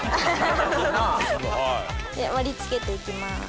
盛り付けていきます。